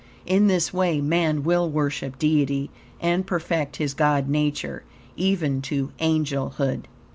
In this way man will worship Deity and perfect his God nature, even to Angel hood.